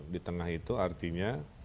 di tengah itu artinya